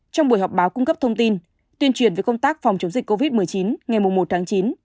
trong buổi họp báo cung cấp thông tin tuyên truyền về công tác phòng chống dịch covid một mươi chín ngày một tháng chín